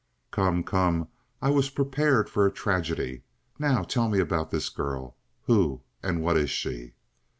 "Come, come! I was prepared for a tragedy. Now tell me about this girl. Who and what is she?"